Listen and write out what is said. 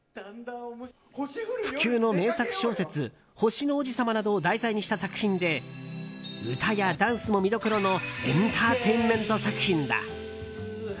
不朽の名作小説「星の王子さま」などを題材にした作品で歌やダンスも見どころのエンターテインメント作品だ。